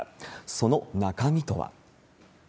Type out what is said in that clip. その中身とは。